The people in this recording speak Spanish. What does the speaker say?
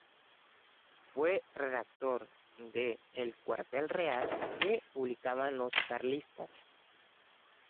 Fue redactor de "El Cuartel Real", que publicaban los carlistas.